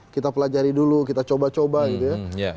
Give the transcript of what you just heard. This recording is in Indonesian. kita pelajari dulu kita coba coba gitu ya